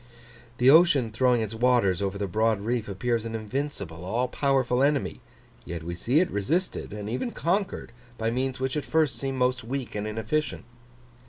The ocean throwing its waters over the broad reef appears an invincible, all powerful enemy; yet we see it resisted, and even conquered, by means which at first seem most weak and inefficient.